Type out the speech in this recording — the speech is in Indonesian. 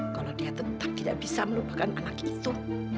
kalau dia tetap tidak bisa melupakan anak itu